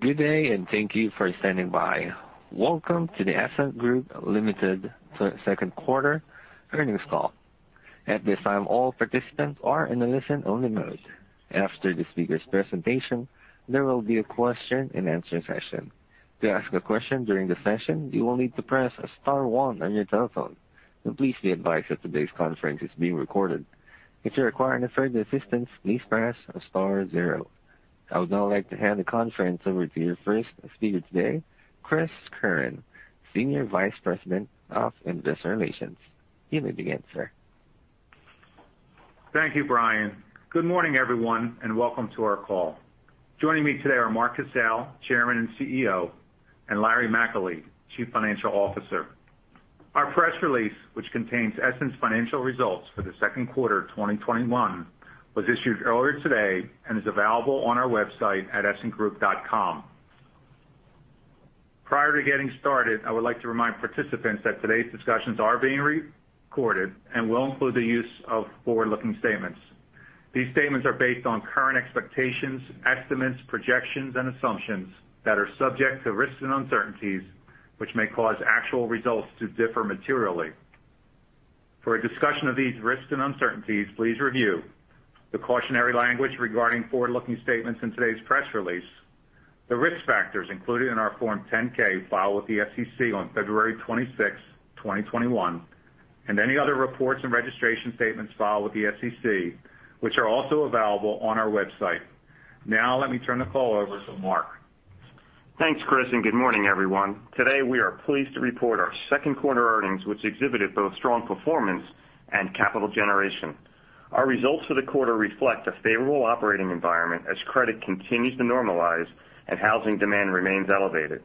Good day. Thank you for standing by. Welcome to the Essent Group Limited Second Quarter Earnings Call. At this time, all participants are in a listen-only mode. After the speakers' presentation, there will be a question and answer session. To ask a question during the session, you will need to press star one on your telephone. Please be advised that today's conference is being recorded. If you're requiring further assistance, please press star zero. I would now like to hand the conference over to your first speaker today, Chris Curran, Senior Vice President of Investor Relations. You may begin, sir. Thank you, Brian. Good morning, everyone, and welcome to our call. Joining me today are Mark Casale, Chairman and CEO, and Larry McAlee, Chief Financial Officer. Our press release, which contains Essent's financial results for the second quarter of 2021, was issued earlier today and is available on our website at essentgroup.com. Prior to getting started, I would like to remind participants that today's discussions are being recorded and will include the use of forward-looking statements. These statements are based on current expectations, estimates, projections, and assumptions that are subject to risks and uncertainties, which may cause actual results to differ materially. For a discussion of these risks and uncertainties, please review the cautionary language regarding forward-looking statements in today's press release, the risk factors included in our Form 10-K filed with the SEC on February 26, 2021, and any other reports and registration statements filed with the SEC, which are also available on our website. Now let me turn the call over to Mark. Thanks, Chris. Good morning, everyone. Today, we are pleased to report our second quarter earnings, which exhibited both strong performance and capital generation. Our results for the quarter reflect a favorable operating environment as credit continues to normalize and housing demand remains elevated.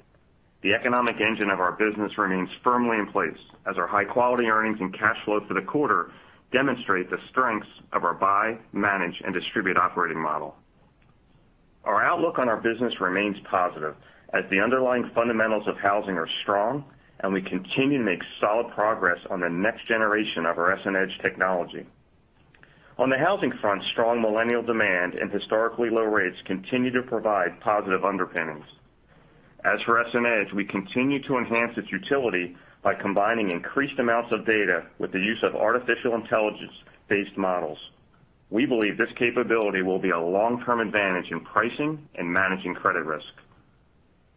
The economic engine of our business remains firmly in place as our high-quality earnings and cash flow for the quarter demonstrate the strengths of our buy, manage, and distribute operating model. Our outlook on our business remains positive as the underlying fundamentals of housing are strong, and we continue to make solid progress on the next generation of our EssentEDGE technology. On the housing front, strong millennial demand and historically low rates continue to provide positive underpinnings. As for EssentEDGE, we continue to enhance its utility by combining increased amounts of data with the use of artificial intelligence-based models. We believe this capability will be a long-term advantage in pricing and managing credit risk.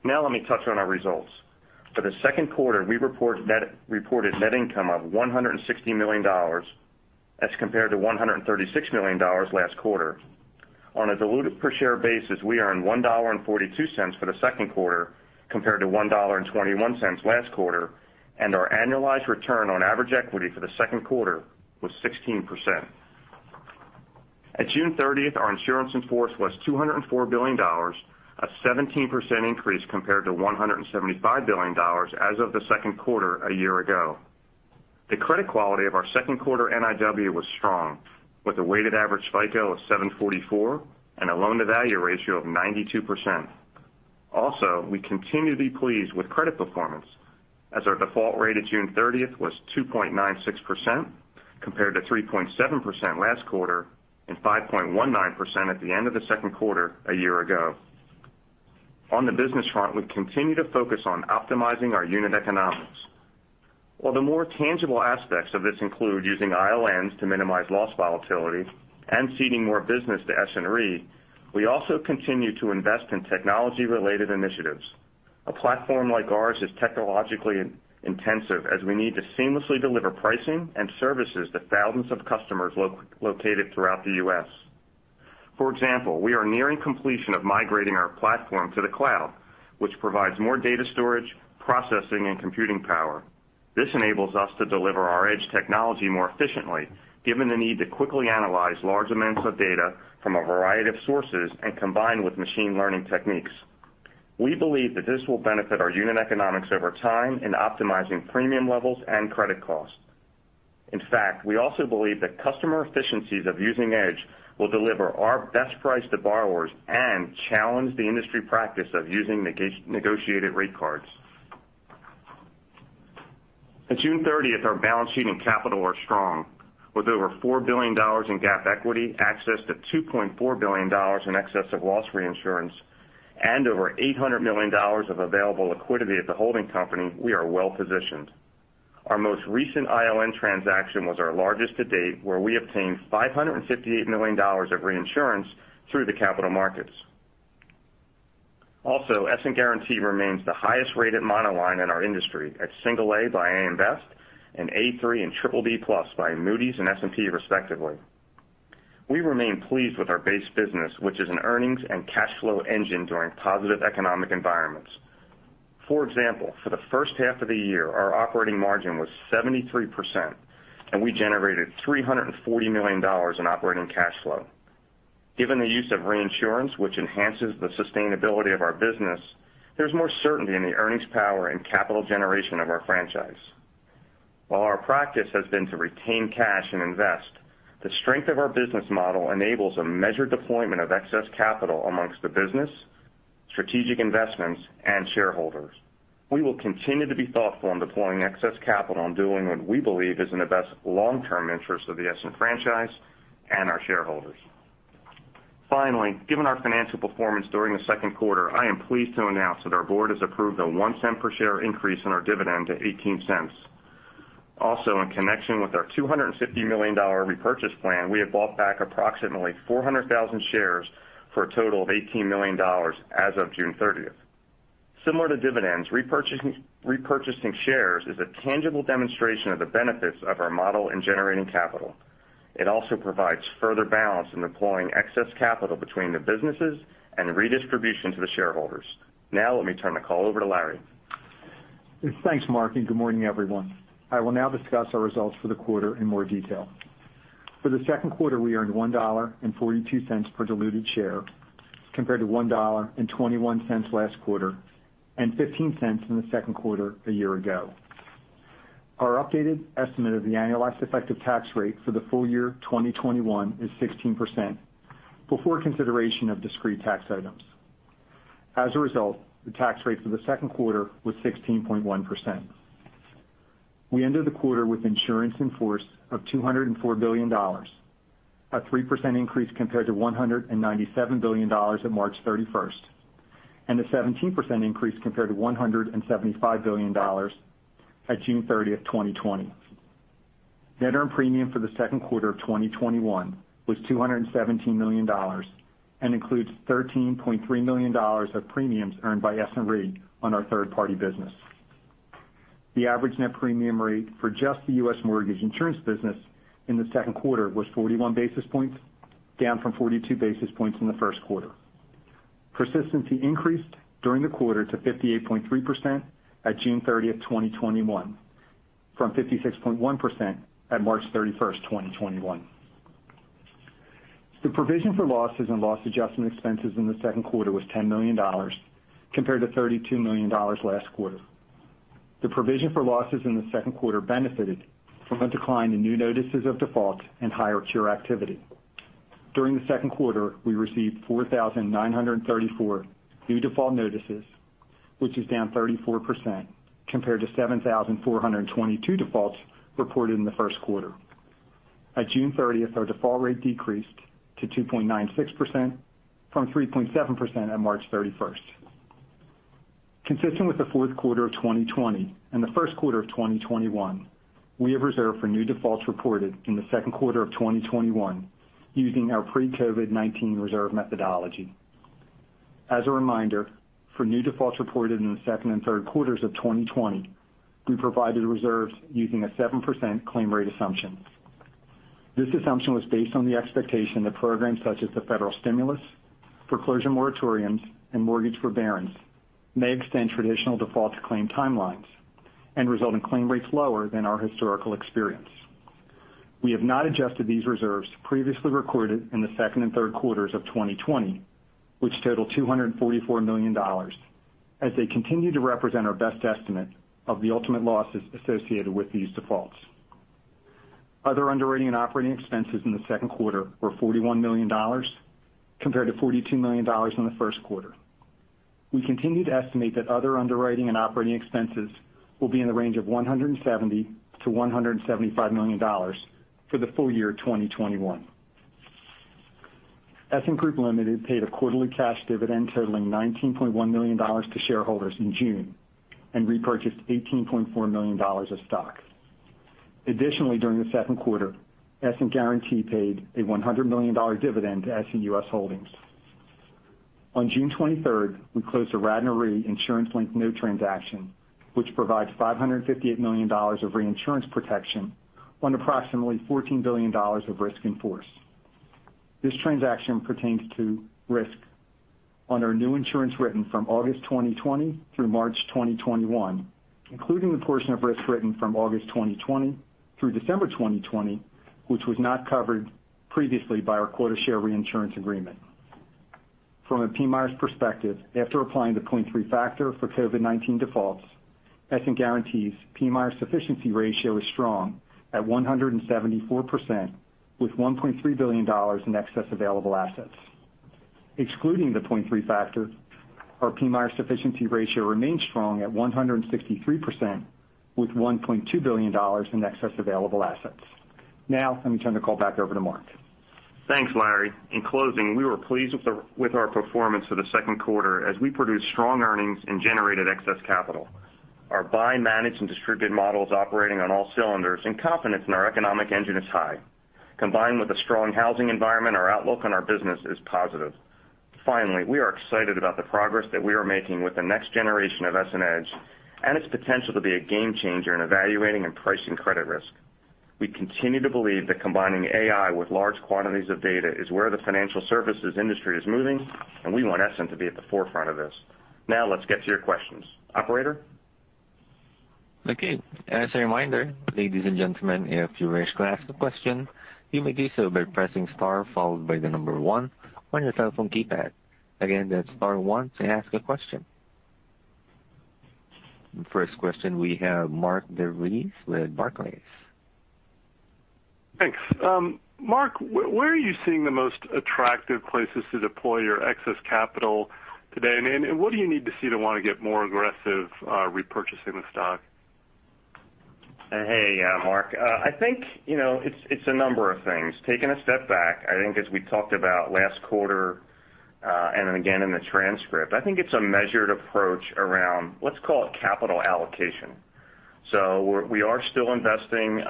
Let me touch on our results. For the second quarter, we reported net income of $160 million as compared to $136 million last quarter. On a diluted per-share basis, we earned $1.42 for the second quarter, compared to $1.21 last quarter, and our annualized return on average equity for the second quarter was 16%. At June 30th, our insurance in force was $204 billion, a 17% increase compared to $175 billion as of the second quarter a year ago. The credit quality of our second quarter NIW was strong, with a weighted average FICO of 744 and a loan-to-value ratio of 92%. Also, we continue to be pleased with credit performance, as our default rate at June 30th was 2.96%, compared to 3.7% last quarter and 5.19% at the end of the second quarter a year ago. On the business front, we continue to focus on optimizing our unit economics. While the more tangible aspects of this include using ILNs to minimize loss volatility and ceding more business to Essent Re, we also continue to invest in technology-related initiatives. A platform like ours is technologically intensive as we need to seamlessly deliver pricing and services to thousands of customers located throughout the U.S. For example, we are nearing completion of migrating our platform to the cloud, which provides more data storage, processing, and computing power. This enables us to deliver our EssentEDGE technology more efficiently, given the need to quickly analyze large amounts of data from a variety of sources and combine with machine learning techniques. We believe that this will benefit our unit economics over time in optimizing premium levels and credit costs. In fact, we also believe that customer efficiencies of using EssentEDGE will deliver our best price to borrowers and challenge the industry practice of using negotiated rate cards. At June 30th, our balance sheet and capital are strong. With over $4 billion in GAAP equity, access to $2.4 billion in excess of loss reinsurance, and over $800 million of available liquidity at the holding company, we are well-positioned. Our most recent ILN transaction was our largest to date, where we obtained $558 million of reinsurance through the capital markets. Also, Essent Guaranty remains the highest-rated monoline in our industry at single A by AM Best and A3 and BBB+ by Moody's and S&P respectively. We remain pleased with our base business, which is an earnings and cash flow engine during positive economic environments. For example, for the first half of the year, our operating margin was 73%, and we generated $340 million in operating cash flow. Given the use of reinsurance, which enhances the sustainability of our business, there's more certainty in the earnings power and capital generation of our franchise. While our practice has been to retain cash and invest, the strength of our business model enables a measured deployment of excess capital amongst the business, strategic investments, and shareholders. We will continue to be thoughtful in deploying excess capital and doing what we believe is in the best long-term interest of the Essent franchise. Our shareholders. Finally, given our financial performance during the second quarter, I am pleased to announce that our board has approved a $0.01 per share increase in our dividend to $0.18. Also, in connection with our $250 million repurchase plan, we have bought back approximately 400,000 shares for a total of $18 million as of June 30th. Similar to dividends, repurchasing shares is a tangible demonstration of the benefits of our model in generating capital. It also provides further balance in deploying excess capital between the businesses and the redistribution to the shareholders. Now let me turn the call over to Larry. Thanks, Mark. Good morning, everyone. I will now discuss our results for the quarter in more detail. For the second quarter, we earned $1.42 per diluted share, compared to $1.21 last quarter, and $0.15 in the second quarter a year ago. Our updated estimate of the annual effective tax rate for the full year 2021 is 16%, before consideration of discrete tax items. As a result, the tax rate for the second quarter was 16.1%. We ended the quarter with insurance in force of $204 billion, a 3% increase compared to $197 billion at March 31st, and a 17% increase compared to $175 billion at June 30th, 2020. Net earned premium for the second quarter of 2021 was $217 million and includes $13.3 million of premiums earned by Essent Re on our third-party business. The average net premium rate for just the U.S. mortgage insurance business in the second quarter was 41 basis points, down from 42 basis points in the first quarter. Persistency increased during the quarter to 58.3% at June 30th, 2021, from 56.1% at March 31st, 2021. The provision for losses and loss adjustment expenses in the second quarter was $10 million compared to $32 million last quarter. The provision for losses in the second quarter benefited from a decline in new notices of default and higher cure activity. During the second quarter, we received 4,934 new default notices, which is down 34% compared to 7,422 defaults reported in the first quarter. At June 30th, our default rate decreased to 2.96% from 3.7% at March 31st. Consistent with the fourth quarter of 2020 and the first quarter of 2021, we have reserved for new defaults reported in the second quarter of 2021 using our pre-COVID-19 reserve methodology. As a reminder, for new defaults reported in the second and third quarters of 2020, we provided reserves using a 7% claim rate assumption. This assumption was based on the expectation that programs such as the federal stimulus, foreclosure moratoriums, and mortgage forbearance may extend traditional defaults claim timelines and result in claim rates lower than our historical experience. We have not adjusted these reserves previously recorded in the second and third quarters of 2020, which total $244 million, as they continue to represent our best estimate of the ultimate losses associated with these defaults. Other underwriting and operating expenses in the second quarter were $41 million compared to $42 million in the first quarter. We continue to estimate that other underwriting and operating expenses will be in the range of $170 million-$175 million for the full year 2021. Essent Group Limited paid a quarterly cash dividend totaling $19.1 million to shareholders in June and repurchased $18.4 million of stock. Additionally, during the second quarter, Essent Guaranty paid a $100 million dividend to Essent US Holdings. On June 23rd, we closed the Radnor Re insurance linked note transaction, which provides $558 million of reinsurance protection on approximately $14 billion of risk in force. This transaction pertains to risk on our new insurance written from August 2020 through March 2021, including the portion of risk written from August 2020 through December 2020, which was not covered previously by our quota share reinsurance agreement. From a PMIERs perspective, after applying the 0.3 factor for COVID-19 defaults, Essent Guaranty's PMIER sufficiency ratio is strong at 174%, with $1.3 billion in excess available assets. Excluding the 0.3 factor, our PMIER sufficiency ratio remains strong at 163%, with $1.2 billion in excess available assets. Now, let me turn the call back over to Mark. Thanks, Larry. In closing, we were pleased with our performance for the second quarter as we produced strong earnings and generated excess capital. Our buy, manage, and distribute model is operating on all cylinders and confidence in our economic engine is high. Combined with a strong housing environment, our outlook on our business is positive. Finally, we are excited about the progress that we are making with the next generation of EssentEDGE and its potential to be a game changer in evaluating and pricing credit risk. We continue to believe that combining AI with large quantities of data is where the financial services industry is moving, and we want Essent to be at the forefront of this. Now let's get to your questions. Operator? Okay. As a reminder, ladies and gentlemen, if you wish to ask a question, you may do so by pressing star followed by the one on your telephone keypad. That's star one to ask a question. First question, we have Mark DeVries with Barclays. Thanks. Mark, where are you seeing the most attractive places to deploy your excess capital today? What do you need to see to want to get more aggressive repurchasing the stock? Hey, Mark. I think it's a number of things. Taking a step back, I think as we talked about last quarter, then again in the transcript, I think it's a measured approach around, let's call it capital allocation. We are still investing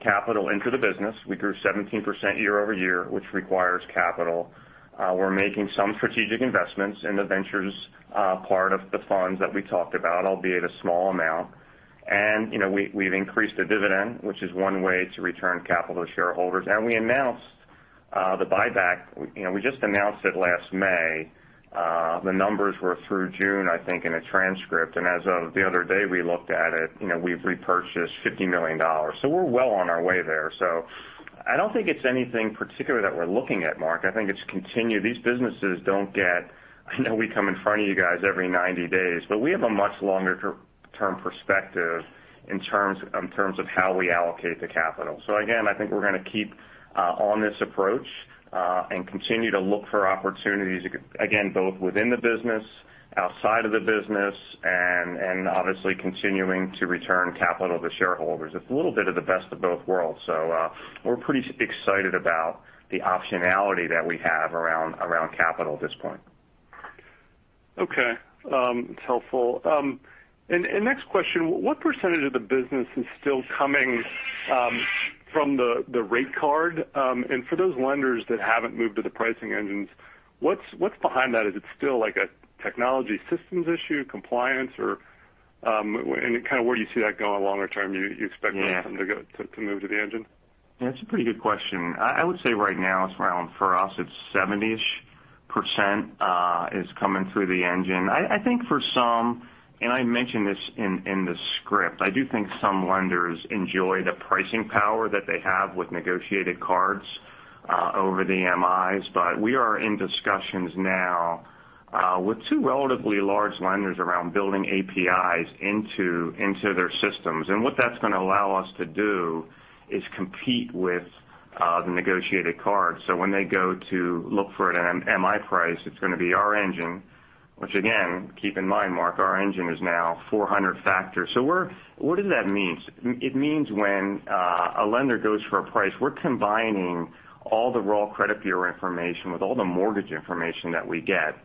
capital into the business. We grew 17% year-over-year, which requires capital. We're making some strategic investments in the ventures part of the funds that we talked about, albeit a small amount. We've increased the dividend, which is one way to return capital to shareholders. We announced the buyback. We just announced it last May. The numbers were through June, I think, in the transcript. As of the other day, we looked at it. We've repurchased $50 million. We're well on our way there. I don't think it's anything particular that we're looking at, Mark. I think these businesses don't get-- I know we come in front of you guys every 90 days, but we have a much longer-term perspective in terms of how we allocate the capital. Again, I think we're going to keep on this approach, and continue to look for opportunities, again, both within the business, outside of the business, and obviously continuing to return capital to shareholders. It's a little bit of the best of both worlds. We're pretty excited about the optionality that we have around capital at this point. Okay. It's helpful. Next question. What percentage of the business is still coming from the rate card? For those lenders that haven't moved to the pricing engines, what's behind that? Is it still like a technology systems issue, compliance, or? Kind of where do you see that going longer term? Yeah. To move to the engine? It's a pretty good question. I would say right now, for us, it's 70% is coming through the engine. I think for some, and I mentioned this in the script, I do think some lenders enjoy the pricing power that they have with negotiated cards over the MIs. We are in discussions now with two relatively large lenders around building APIs into their systems. What that's going to allow us to do is compete with the negotiated cards. When they go to look for an MI price, it's going to be our engine, which again, keep in mind, Mark, our engine is now 400 factors. What does that mean? It means when a lender goes for a price, we're combining all the raw credit bureau information with all the mortgage information that we get,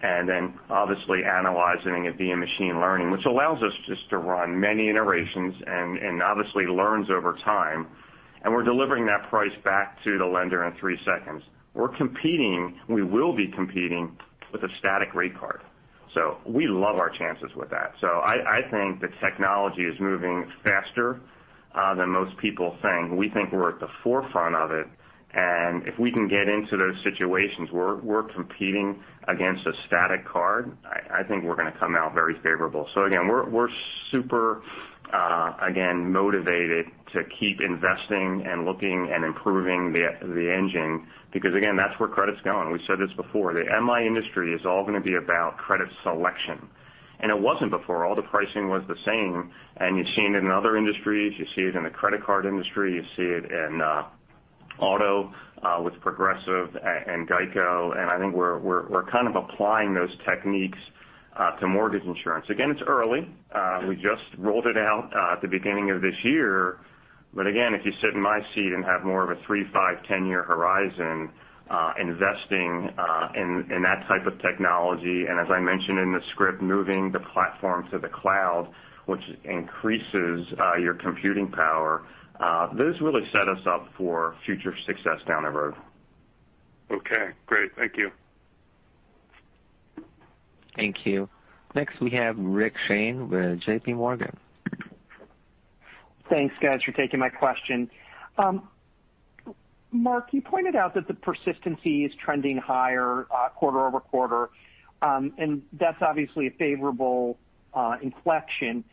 and then obviously analyzing it via machine learning, which allows us just to run many iterations and obviously learns over time, and we're delivering that price back to the lender in three seconds. We will be competing with a static rate card. We love our chances with that. I think that technology is moving faster than most people think. We think we're at the forefront of it, and if we can get into those situations, we're competing against a static card. I think we're going to come out very favorable. Again, we're super, again, motivated to keep investing and looking and improving the engine because, again, that's where credit's going. We've said this before, the MI industry is all going to be about credit selection. It wasn't before. All the pricing was the same, and you've seen it in other industries. You see it in the credit card industry. You see it in auto with Progressive and GEICO, and I think we're kind of applying those techniques to mortgage insurance. Again, it's early. We just rolled it out at the beginning of this year. Again, if you sit in my seat and have more of a 3, 5, 10-year horizon, investing in that type of technology, and as I mentioned in the script, moving the platform to the cloud, which increases your computing power, those really set us up for future success down the road. Okay, great. Thank you. Thank you. Next, we have Rick Shane with JPMorgan. Thanks, guys, for taking my question. Mark, you pointed out that the persistency is trending higher quarter-over-quarter. That's obviously a favorable inflection.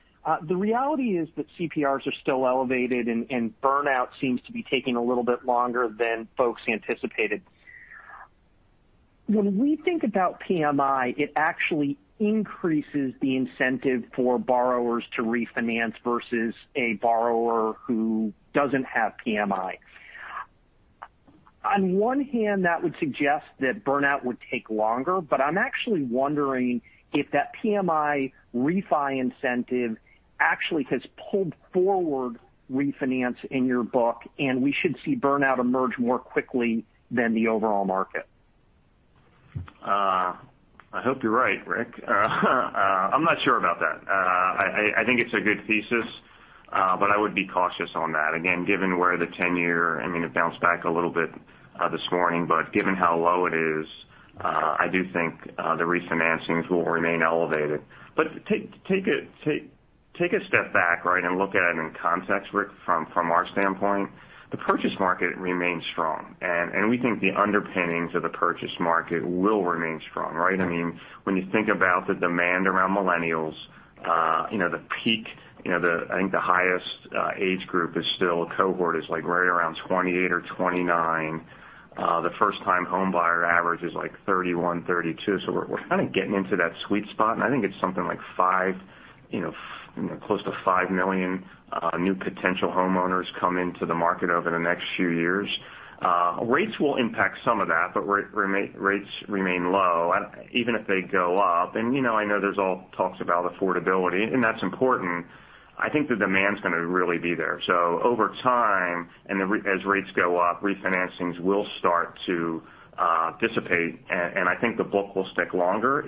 The reality is that CPRs are still elevated, and burnout seems to be taking a little bit longer than folks anticipated. When we think about PMI, it actually increases the incentive for borrowers to refinance versus a borrower who doesn't have PMI. On one hand, that would suggest that burnout would take longer, but I'm actually wondering if that PMI refi incentive actually has pulled forward refinance in your book, and we should see burnout emerge more quickly than the overall market. I hope you're right, Rick. I'm not sure about that. I think it's a good thesis, but I would be cautious on that. Again, given where the 10-year, I mean, it bounced back a little bit this morning, but given how low it is, I do think the refinancings will remain elevated. Take a step back, right, and look at it in context, Rick, from our standpoint. The purchase market remains strong, and we think the underpinnings of the purchase market will remain strong, right? I mean, when you think about the demand around millennials, the peak, I think the highest age group is still cohort is like right around 28 or 29. The first-time homebuyer average is like 31, 32. We're kind of getting into that sweet spot, and I think it's something like close to five million new potential homeowners come into the market over the next few years. Rates will impact some of that, rates remain low. Even if they go up, and I know there's all talks about affordability, and that's important. I think the demand's going to really be there. Over time and as rates go up, refinancings will start to dissipate, and I think the book will stick longer.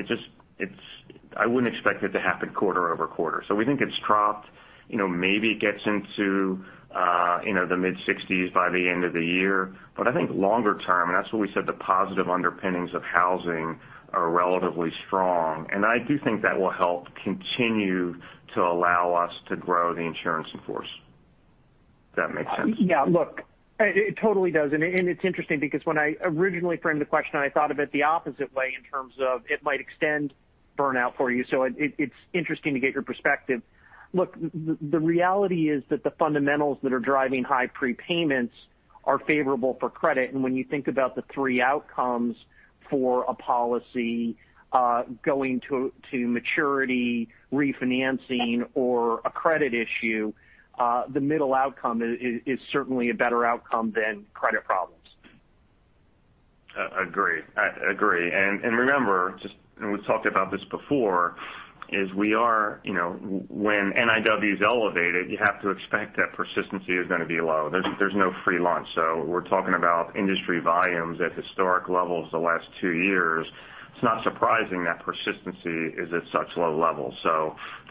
I wouldn't expect it to happen quarter-over-quarter. We think it's dropped, maybe it gets into the mid-60s by the end of the year. I think longer term, and that's when we said the positive underpinnings of housing are relatively strong, and I do think that will help continue to allow us to grow the insurance in force. If that makes sense. Yeah. Look, it totally does. It's interesting because when I originally framed the question, I thought of it the opposite way in terms of it might extend burnout for you. It's interesting to get your perspective. Look, the reality is that the fundamentals that are driving high prepayments are favorable for credit. When you think about the three outcomes for a policy going to maturity, refinancing, or a credit issue, the middle outcome is certainly a better outcome than credit problems. Agree. Remember, and we've talked about this before, is when NIW is elevated, you have to expect that persistency is going to be low. There's no free lunch. We're talking about industry volumes at historic levels the last two years. It's not surprising that persistency is at such low levels.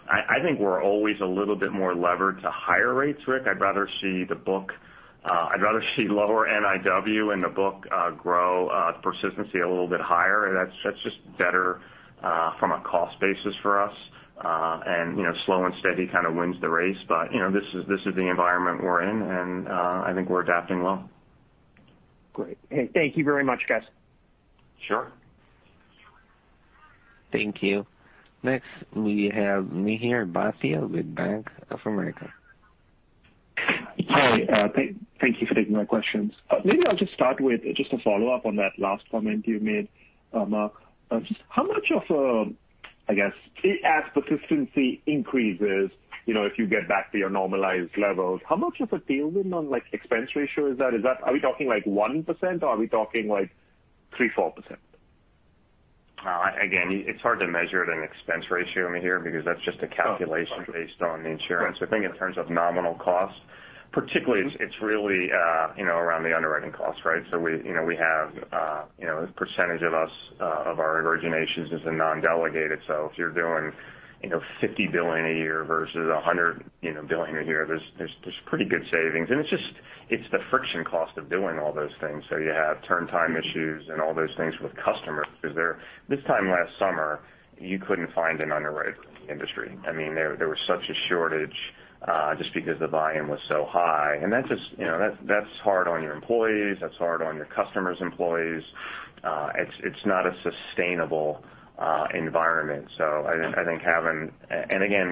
I think we're always a little bit more levered to higher rates, Rick. I'd rather see lower NIW in the book grow persistency a little bit higher. That's just better from a cost basis for us. Slow and steady wins the race. This is the environment we're in, and I think we're adapting well. Great. Thank you very much, guys. Sure. Thank you. Next, we have Mihir Bhatia with Bank of America. Hi. Thank you for taking my questions. I'll just start with just a follow-up on that last comment you made, Mark. As persistency increases, if you get back to your normalized levels, how much of a tailwind on expense ratio is that? Are we talking 1% or are we talking 3%, 4%? It's hard to measure it an expense ratio, Mihir, because that's just a calculation based on the insurance. I think in terms of nominal costs, particularly, it's really around the underwriting costs, right? We have a percentage of our originations is in non-delegated. If you're doing $50 billion a year versus $100 billion a year, there's pretty good savings. It's the friction cost of doing all those things. You have turn time issues and all those things with customers, because this time last summer, you couldn't find an underwriter in the industry. There was such a shortage, just because the volume was so high. That's hard on your employees, that's hard on your customers' employees. It's not a sustainable environment. Again,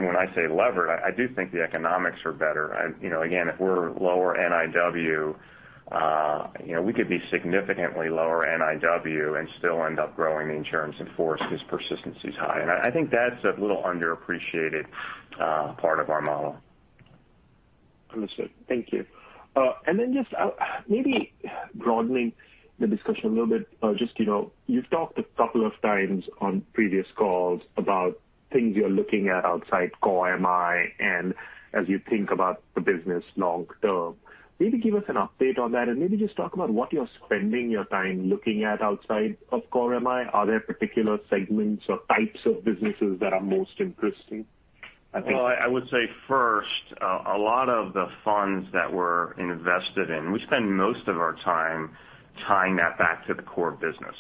when I say levered, I do think the economics are better. Again, if we're lower NIW, we could be significantly lower NIW and still end up growing the insurance in force because persistency is high. I think that's a little underappreciated part of our model. Understood. Thank you. Just maybe broadening the discussion a little bit. You've talked a couple of times on previous calls about things you're looking at outside core MI, and as you think about the business long term. Maybe give us an update on that and maybe just talk about what you're spending your time looking at outside of core MI. Are there particular segments or types of businesses that are most interesting? I would say first, a lot of the funds that we're invested in, we spend most of our time tying that back to the core business.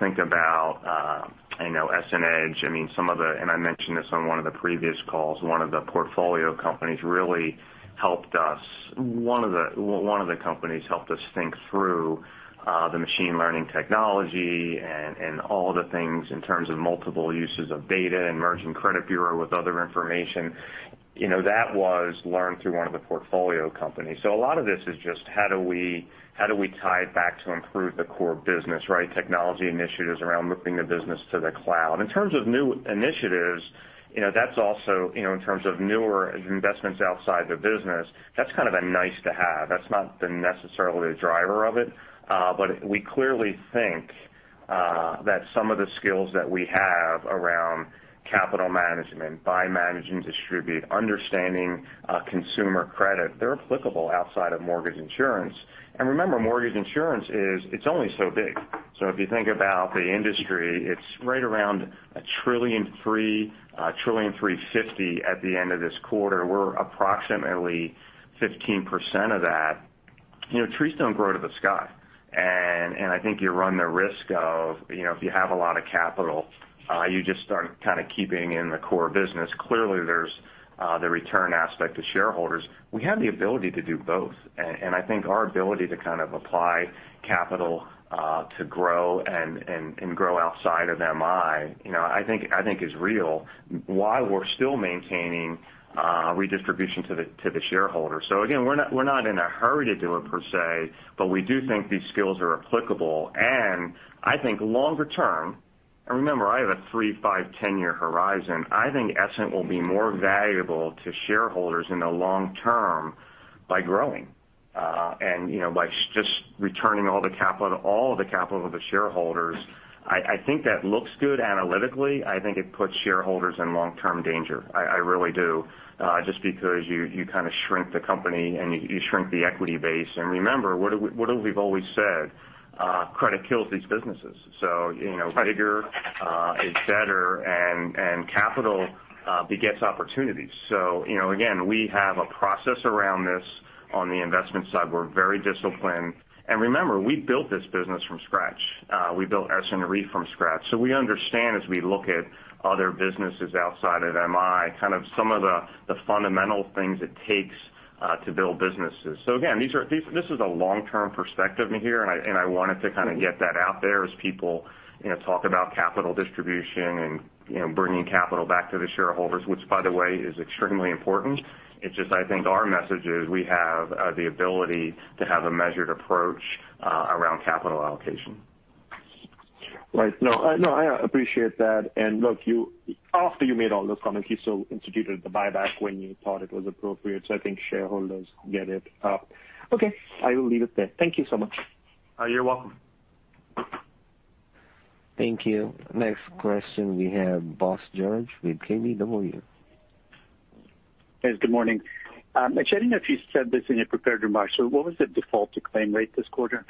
Think about EssentEDGE. I mentioned this on one of the previous calls. One of the portfolio companies really helped us. One of the companies helped us think through the machine learning technology and all the things in terms of multiple uses of data and merging credit bureau with other information. That was learned through one of the portfolio companies. A lot of this is just how do we tie it back to improve the core business, right? Technology initiatives around moving the business to the cloud. In terms of new initiatives, in terms of newer investments outside the business, that's kind of a nice to have. That's not been necessarily a driver of it. We clearly think that some of the skills that we have around capital management, buy, manage and distribute, understanding consumer credit, they're applicable outside of mortgage insurance. Remember, mortgage insurance, it's only so big. If you think about the industry, it's right around $1.3 trillion, $1.350 trillion at the end of this quarter. We're approximately 15% of that. Trees don't grow to the sky. I think you run the risk of if you have a lot of capital, you just start kind of keeping in the core business. Clearly, there's the return aspect to shareholders. We have the ability to do both. I think our ability to kind of apply capital to grow and grow outside of MI I think is real while we're still maintaining a redistribution to the shareholder. Again, we're not in a hurry to do it per se, but we do think these skills are applicable. I think longer term, and remember, I have a 3, 5, 10-year horizon, I think Essent will be more valuable to shareholders in the long term by growing and like just returning all the capital to the shareholders, I think that looks good analytically. I think it puts shareholders in long-term danger. I really do. Just because you kind of shrink the company and you shrink the equity base. Remember, what have we always said? Credit kills these businesses. Bigger is better and capital begets opportunities. Again, we have a process around this on the investment side. We're very disciplined. Remember, we built this business from scratch. We built Essent Re from scratch. We understand as we look at other businesses outside of MI, kind of some of the fundamental things it takes to build businesses. Again, this is a long-term perspective here, and I wanted to kind of get that out there as people talk about capital distribution and bringing capital back to the shareholders, which by the way, is extremely important. It's just I think our message is we have the ability to have a measured approach around capital allocation. Right. No, I appreciate that. Look, after you made all those comments, you still instituted the buyback when you thought it was appropriate, so I think shareholders get it. Okay, I will leave it there. Thank you so much. You're welcome. Thank you. Next question we have Bose George with KBW. Yes, good morning. Actually, I don't know if you said this in your prepared remarks. What was the default to claim rate this quarter?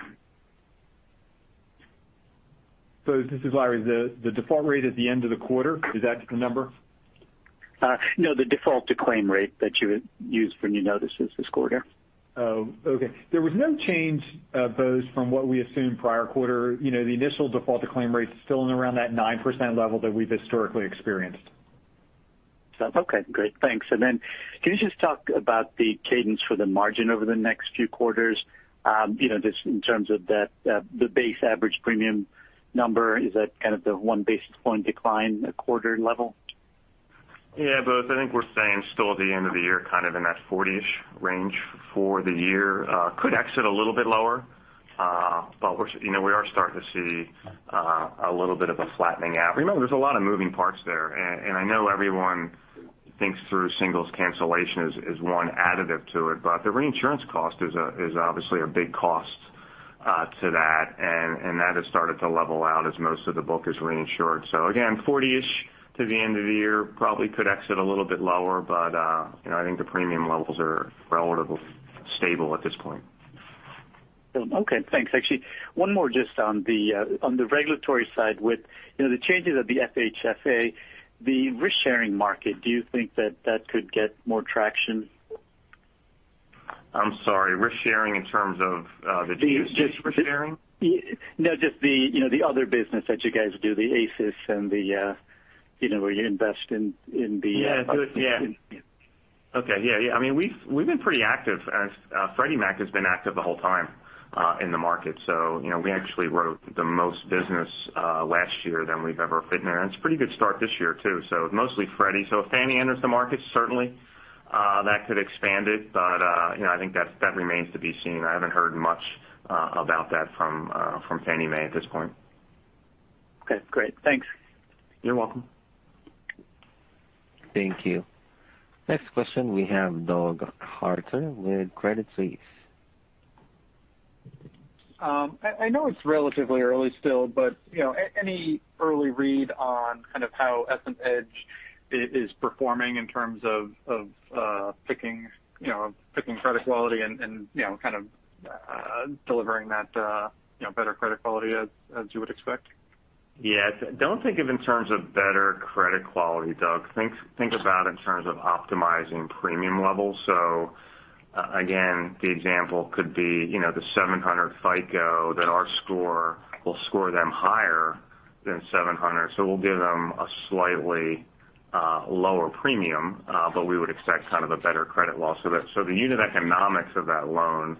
This is Larry. The default rate at the end of the quarter, is that the number? No, the default to claim rate that you used when you noticed this quarter. Oh, okay. There was no change, Bose, from what we assumed prior quarter. The initial default to claim rate's still in around that 9% level that we've historically experienced. Okay, great. Thanks. Then can you just talk about the cadence for the margin over the next few quarters? Just in terms of the base average premium number, is that kind of the 1 basis point decline quarter level? Yeah, Bose, I think we're saying still at the end of the year, kind of in that 40-ish range for the year. Could exit a little bit lower. We are starting to see a little bit of a flattening out. Remember, there's a lot of moving parts there, and I know everyone thinks through singles cancellation as one additive to it, but the reinsurance cost is obviously a big cost to that, and that has started to level out as most of the book is reinsured. Again, 40-ish to the end of the year, probably could exit a little bit lower, but I think the premium levels are relatively stable at this point. Okay, thanks. Actually, one more just on the regulatory side with the changes at the FHFA, the risk-sharing market, do you think that that could get more traction? I'm sorry, risk sharing in terms of the GSE risk sharing? No, just the other business that you guys do, the ACIS and where you invest in the. Yeah. Okay. Yeah. We've been pretty active. Freddie Mac has been active the whole time in the market. We actually wrote the most business last year than we've ever been there. It's a pretty good start this year, too. Mostly Freddie. If Fannie enters the market, certainly that could expand it, but I think that remains to be seen. I haven't heard much about that from Fannie Mae at this point. Okay, great. Thanks. You're welcome. Thank you. Next question, we have Douglas Harter with Credit Suisse. I know it's relatively early still, but any early read on kind of how EssentEDGE is performing in terms of picking credit quality and kind of delivering that better credit quality as you would expect? Don't think of it in terms of better credit quality, Doug. Think about in terms of optimizing premium levels. Again, the example could be, the 700 FICO that our score will score them higher than 700. We'll give them a slightly lower premium, we would expect kind of a better credit loss. The unit economics of that loan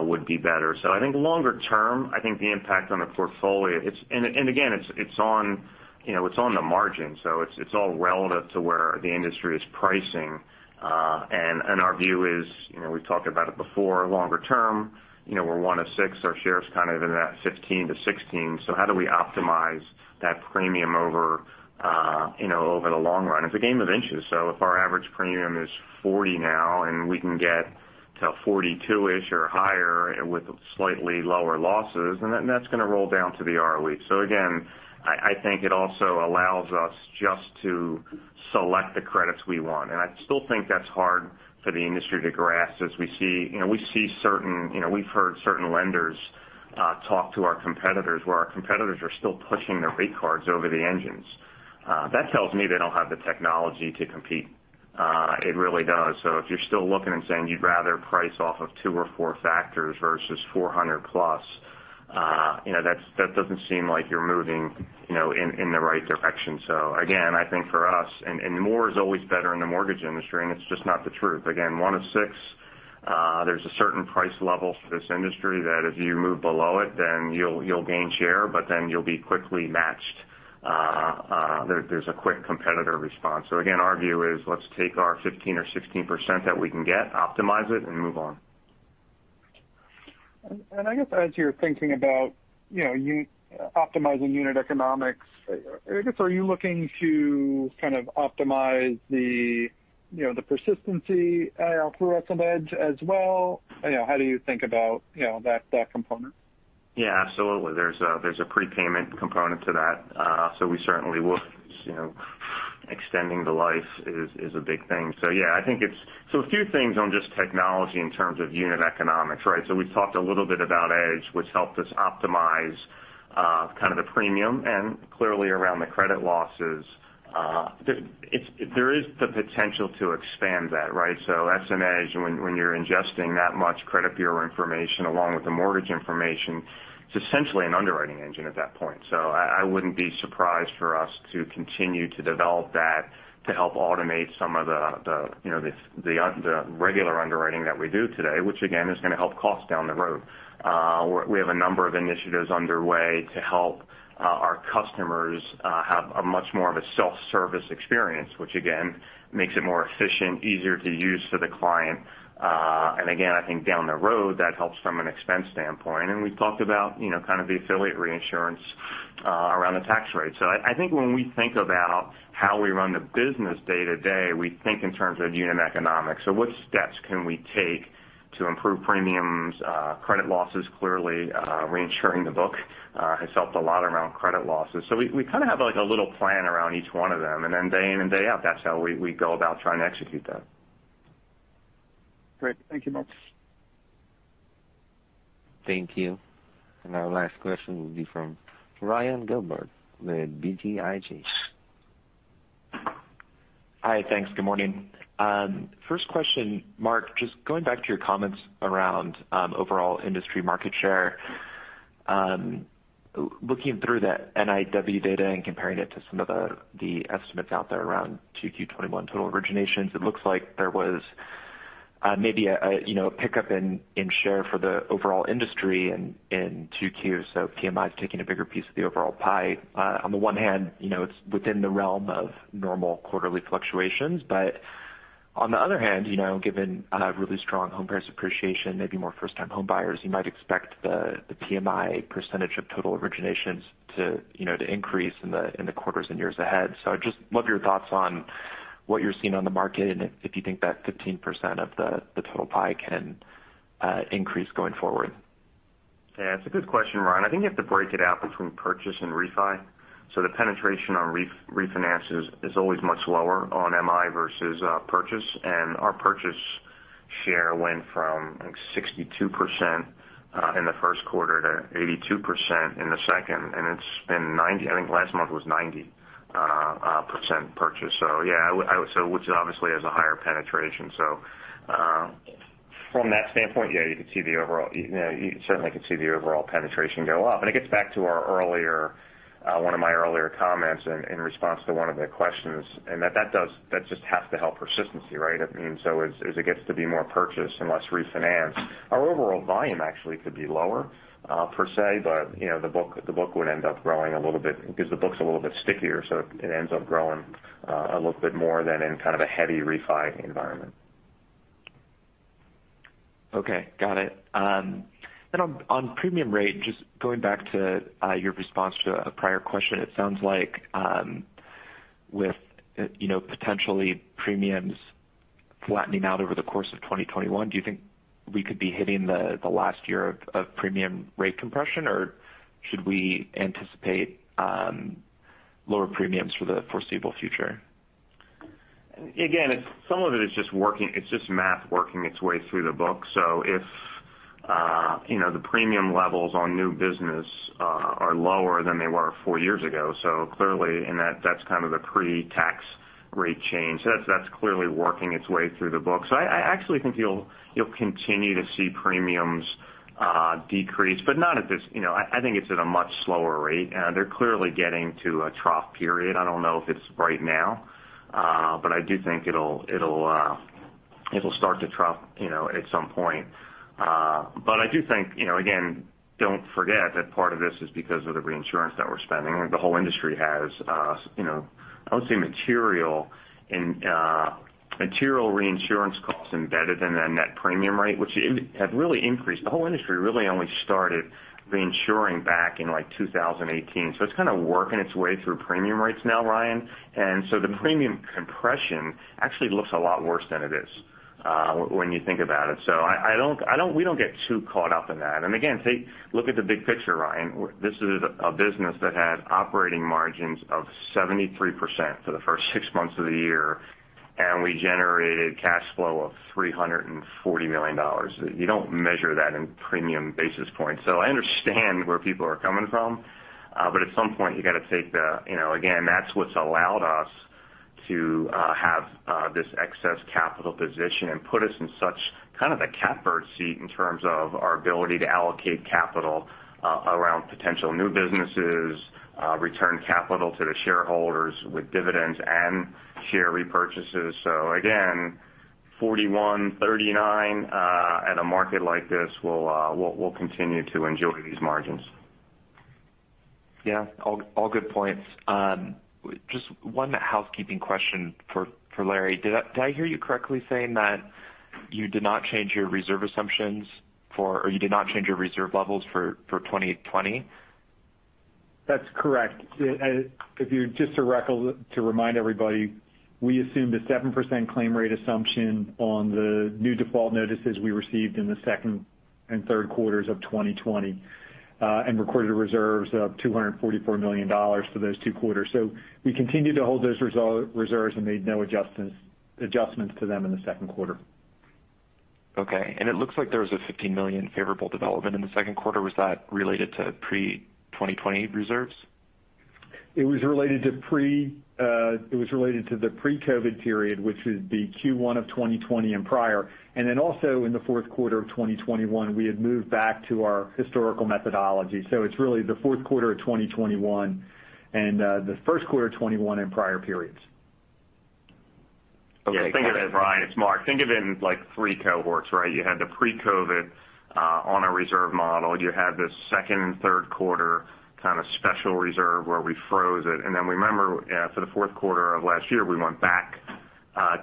would be better. I think longer term, I think the impact on the portfolio, again, it's on the margin, it's all relative to where the industry is pricing. Our view is, we've talked about it before, longer term, we're one of six. Our share is kind of in that 15%-16%. How do we optimize that premium over the long run? It's a game of inches. If our average premium is 40 now and we can get to 42-ish or higher with slightly lower losses, then that's going to roll down to the ROE. Again, I think it also allows us just to select the credits we want, and I still think that's hard for the industry to grasp as we've heard certain lenders talk to our competitors where our competitors are still pushing their rate cards over the engines. That tells me they don't have the technology to compete. It really does. If you're still looking and saying you'd rather price off of two or four factors versus 400 plus, that doesn't seem like you're moving in the right direction. Again, I think for us, and more is always better in the mortgage industry, and it's just not the truth. Again, one of six, there's a certain price level for this industry that if you move below it, then you'll gain share, but then you'll be quickly matched. There's a quick competitor response. Again, our view is let's take our 15% or 16% that we can get, optimize it, and move on. I guess as you're thinking about optimizing unit economics, are you looking to kind of optimize the persistency through Edge as well? How do you think about that component? Yeah, absolutely. There's a prepayment component to that. We certainly will. Extending the life is a big thing. Yeah, a few things on just technology in terms of unit economics, right? We've talked a little bit about EssentEDGE, which helped us optimize kind of the premium and clearly around the credit losses. There is the potential to expand that, right? EssentEDGE, when you're ingesting that much credit bureau information along with the mortgage information, it's essentially an underwriting engine at that point. I wouldn't be surprised for us to continue to develop that to help automate some of the regular underwriting that we do today, which again, is going to help costs down the road. We have a number of initiatives underway to help our customers have a much more of a self-service experience, which again, makes it more efficient, easier to use for the client. Again, I think down the road, that helps from an expense standpoint. We've talked about kind of the affiliate reinsurance around the tax rate. I think when we think about how we run the business day-to-day, we think in terms of unit economics. What steps can we take to improve premiums, credit losses? Clearly, reinsuring the book has helped a lot around credit losses. We kind of have a little plan around each one of them. Then day in and day out, that's how we go about trying to execute that. Great. Thank you, Mark. Thank you. Our last question will be from Ryan Gilbert with BTIG. Hi, thanks. Good morning. First question, Mark, just going back to your comments around overall industry market share. Looking through the NIW data and comparing it to some of the estimates out there around 2Q 2021 total originations, it looks like there was maybe a pickup in share for the overall industry in 2Q. PMI is taking a bigger piece of the overall pie. On the one hand, it's within the realm of normal quarterly fluctuations. On the other hand, given really strong home price appreciation, maybe more first-time home buyers, you might expect the PMI percentage of total originations to increase in the quarters and years ahead. I'd just love your thoughts on what you're seeing on the market and if you think that 15% of the total pie can increase going forward. Yeah. It's a good question, Ryan. I think you have to break it out between purchase and refi. The penetration on refinances is always much lower on MI versus purchase. Our purchase share went from, I think, 62% in the first quarter to 82% in the second, and I think last month was 90% purchase. Yeah, which obviously has a higher penetration. From that standpoint, yeah, you certainly can see the overall penetration go up. It gets back to one of my earlier comments in response to one of the questions, and that just has to help persistency, right? I mean, as it gets to be more purchase and less refinance, our overall volume actually could be lower per se. The book would end up growing a little bit because the book's a little bit stickier. It ends up growing a little bit more than in kind of a heavy refi environment. Okay. Got it. On premium rate, just going back to your response to a prior question. It sounds like with potentially premiums flattening out over the course of 2021, do you think we could be hitting the last year of premium rate compression, or should we anticipate lower premiums for the foreseeable future? Again, some of it's just math working its way through the book. If the premium levels on new business are lower than they were four years ago. Clearly, and that's kind of the pre-tax rate change. That's clearly working its way through the book. I actually think you'll continue to see premiums decrease, but I think it's at a much slower rate. They're clearly getting to a trough period. I don't know if it's right now, but I do think it'll start to trough at some point. I do think again, don't forget that part of this is because of the reinsurance that we're spending. The whole industry has, I would say, material reinsurance costs embedded in the net premium rate, which had really increased. The whole industry really only started reinsuring back in 2018. It's kind of working its way through premium rates now, Ryan. The premium compression actually looks a lot worse than it is when you think about it. We don't get too caught up in that. Again, look at the big picture, Ryan. This is a business that had operating margins of 73% for the first 6 months of the year, and we generated cash flow of $340 million. You don't measure that in premium basis points. I understand where people are coming from. At some point again, that's what's allowed us to have this excess capital position and put us in such kind of a catbird seat in terms of our ability to allocate capital around potential new businesses, return capital to the shareholders with dividends and share repurchases. Again, 41/39 at a market like this will continue to enjoy these margins. Yeah. All good points. Just one housekeeping question for Larry. Did I hear you correctly saying that you did not change your reserve assumptions for, or you did not change your reserve levels for 2020? That's correct. Just to remind everybody, we assumed a 7% claim rate assumption on the new default notices we received in the second and third quarters of 2020, and recorded reserves of $244 million for those two quarters. We continued to hold those reserves and made no adjustments to them in the second quarter. Okay. It looks like there was a $15 million favorable development in the second quarter. Was that related to pre-2020 reserves? It was related to the pre-COVID-19 period, which would be Q1 of 2020 and prior. Then also in the fourth quarter of 2021, we had moved back to our historical methodology. It's really the fourth quarter of 2021 and the first quarter of 2021 and prior periods. Okay. Go ahead. Yeah. Think of it, Brian, it's Mark. Think of it in three cohorts, right? You had the pre-COVID-19 on a reserve model. You had the second and third quarter kind of special reserve where we froze it. Then remember, for the fourth quarter of last year, we went back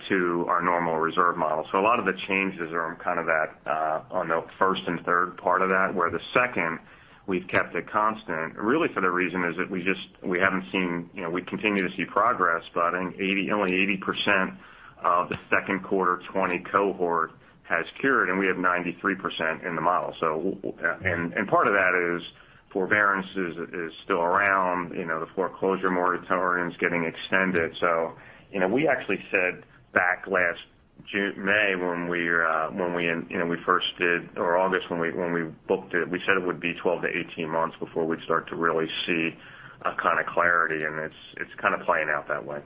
to our normal reserve model. A lot of the changes are on kind of that on the first and third part of that, where the second we've kept it constant. Really, for the reason is that we continue to see progress, but only 80% of the second quarter 2020 cohort has cured, and we have 93% in the model. Part of that is forbearances is still around. The foreclosure moratorium is getting extended. We actually said back last May when we first or August when we booked it, we said it would be 12 to 18 months before we'd start to really see a kind of clarity, and it's kind of playing out that way.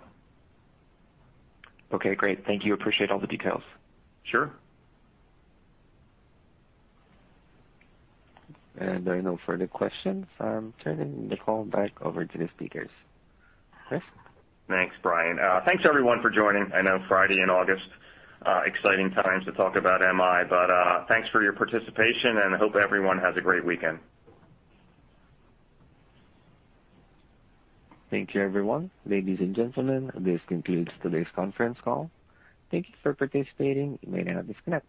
Okay, great. Thank you. Appreciate all the details. Sure. There are no further questions. I'm turning the call back over to the speakers. Chris? Thanks, Brian. Thanks, everyone, for joining. I know Friday in August, exciting times to talk about MI. Thanks for your participation, and I hope everyone has a great weekend. Thank you, everyone. Ladies and gentlemen, this concludes today's conference call. Thank you for participating. You may now disconnect.